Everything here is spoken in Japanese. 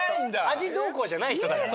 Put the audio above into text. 味どうこうじゃない人だから。